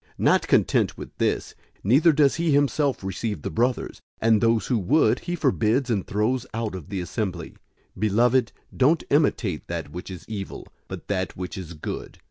Not content with this, neither does he himself receive the brothers, and those who would, he forbids and throws out of the assembly. 001:011 Beloved, don't imitate that which is evil, but that which is good.